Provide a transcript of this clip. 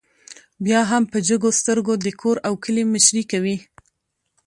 بيا هم په جګو سترګو د کور او کلي مشري کوي